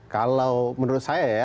kalau menurut saya ya